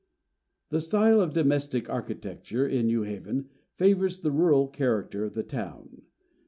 The style of domestic architecture in New Haven favours the rural character of the town.